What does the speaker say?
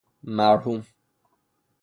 مرحوم